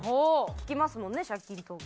聞きますもんね借金トーク。